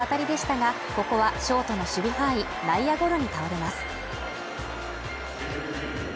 センターに抜けようかという当たりでしたが、ここはショートの守備範囲内野ゴロに倒れます。